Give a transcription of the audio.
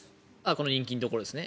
この人気のところですね。